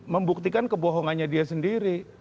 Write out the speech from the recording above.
membuktikan kebohongannya dia sendiri